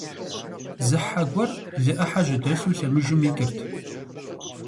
Зы хьэ гуэр лы Ӏыхьэ жьэдэлъу лъэмыжым икӀырт.